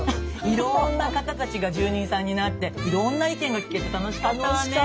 いろんな方たちが住人さんになっていろんな意見が聞けて楽しかったわね。